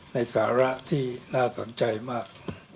สาระที่น่าสนใจมาก